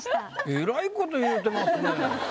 えらいこと言うてますね。